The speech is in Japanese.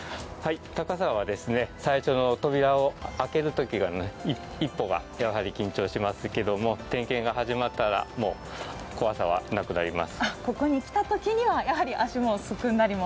高さは最初の扉を開ける一歩がやはり緊張しますけれども、点検が始まったらもう怖さはなくなります。